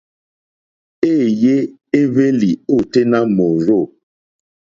Éèyé éhwélì ôténá mòrzô.